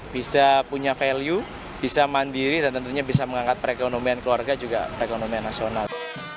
bisa punya value bisa mandiri dan tentunya bisa mengangkat perekonomian keluarga juga perekonomian nasional